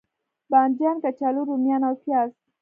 بانجان، کچالو، روميان او پیاز